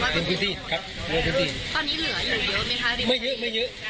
ตอนนี้เหลืออยู่เยอะไหมคะ